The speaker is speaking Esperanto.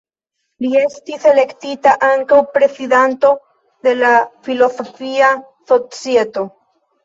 Li estis elektita ankaŭ prezidanto de la filozofia societo.